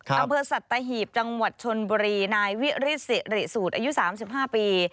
อำเภอสัตหีบจังหวัดชนบุรีนายวิริสิริสูตรอายุ๓๕ปี